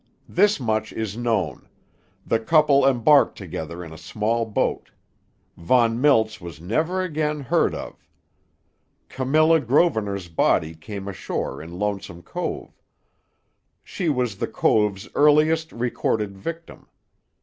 This much is known: The couple embarked together in a small boat. Von Miltz was never again heard of. Camilla Grosvenor's body came ashore in Lonesome Cove. She was the Cove's earliest recorded victim.